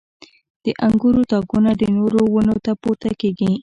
• د انګورو تاکونه د نورو ونو ته پورته کېږي.